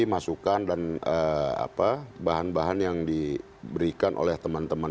masukan dan bahan bahan yang diberikan oleh teman teman